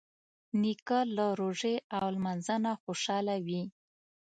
نیکه له روژې او لمانځه نه خوشحاله وي.